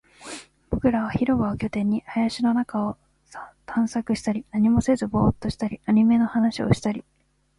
僕らは広場を拠点に、林の中を探索したり、何もせずボーっとしたり、アニメの話をしたり